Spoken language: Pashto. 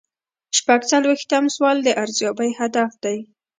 شپږ څلویښتم سوال د ارزیابۍ هدف دی.